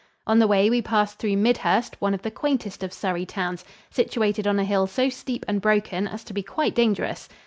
On the way we passed through Midhurst, one of the quaintest of Surrey towns, situated on a hill so steep and broken as to be quite dangerous.